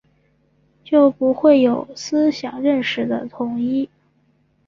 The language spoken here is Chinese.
就不会有思想认识的统一